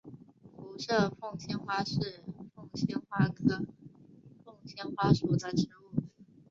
辐射凤仙花是凤仙花科凤仙花属的植物。